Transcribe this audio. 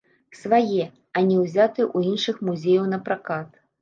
Свае, а не ўзятыя ў іншых музеяў на пракат.